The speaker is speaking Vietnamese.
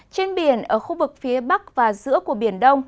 trên biển ở khu vực phía bắc và giữa của biển đông